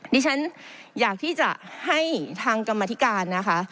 ดิฉันอยากที่จะให้ทางกรรมธิการนะคะ